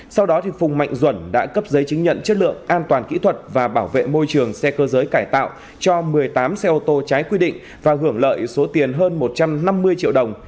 sau đó phùng mạnh duẩn đã cấp giấy chứng nhận chất lượng an toàn kỹ thuật và bảo vệ môi trường xe cơ giới cải tạo cho một mươi tám xe ô tô trái quy định và hưởng lợi số tiền hơn một trăm năm mươi triệu đồng